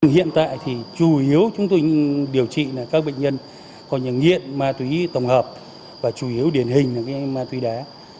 hiện tại thì chủ yếu chúng tôi điều trị là các bệnh nhân có những nghiện ma tuy tổng hợp và chủ yếu điển hình là cái ma tuy đá